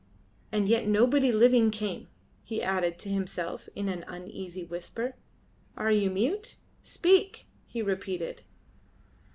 And yet nobody living came," he added to himself in an uneasy whisper. "Are you mute? Speak!" he repeated.